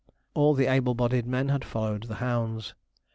All the able bodied men had followed the hounds.